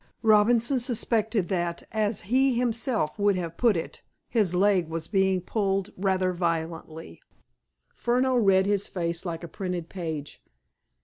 Robinson suspected that, as he himself would have put it, his leg was being pulled rather violently. Furneaux read his face like a printed page.